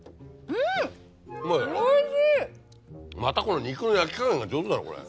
またこの肉の焼き加減が上手だなこれ。